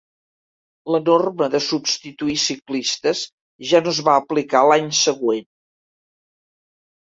La norma de substituir ciclistes ja no es va aplicar l'any següent.